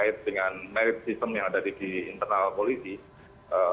terkait dengan merit system yang ada di internal polisi